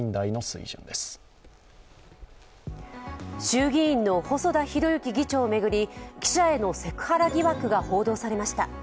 衆議院の細田博之議長を巡り、記者へのセクハラ疑惑が報道されました。